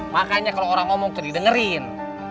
makanya kalau orang ngomong tuh didengerin